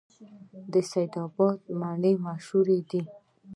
د سید اباد مڼې مشهورې دي